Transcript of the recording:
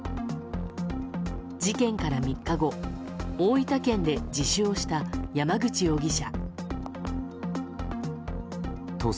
事件から３日後大分県で自首をした山口容疑者。